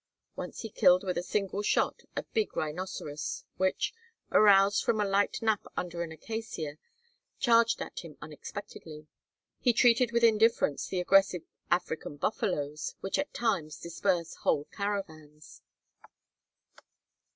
Once he killed with a single shot a big rhinoceros, which, aroused from a light nap under an acacia, charged at him unexpectedly. He treated with indifference the aggressive African buffaloes, which at times disperse whole caravans.